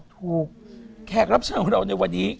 ถูกแขกรับเสนอของเราในวันนี้